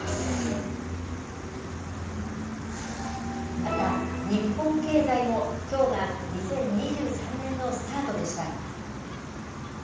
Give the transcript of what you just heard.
また、日本経済もきょうが２０２３年のスタートでした。